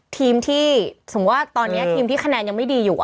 ทีมที่สมมุติว่าตอนนี้ทีมที่คะแนนยังไม่ดีอยู่